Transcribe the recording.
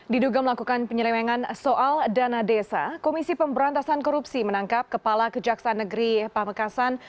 diduga melakukan penyelewengan soal dana desa komisi pemberantasan korupsi menangkap kepala kejaksaan negeri pamekasan